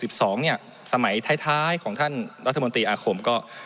สมัยท้ายของยังที่คือสมัยท้ายของท่านรัฐมนตรีอาคมก็